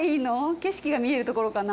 景色が見えるところかな？